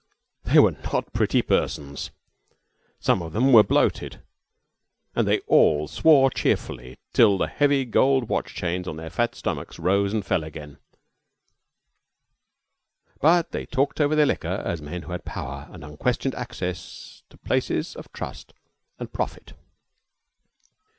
They were not pretty persons. Some of them were bloated, and they all swore cheerfully till the heavy gold watch chains on their fat stomachs rose and fell again; but they talked over their liquor as men who had power and unquestioned access to places of trust and profit.